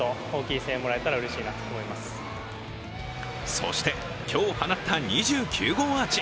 そして、今日放った２９号アーチ